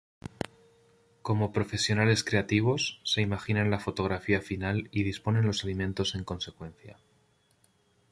Como profesionales creativos, se imaginan la fotografía final y disponen los alimentos en consecuencia.